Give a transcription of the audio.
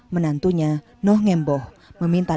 menantunya noh ngemboh meminta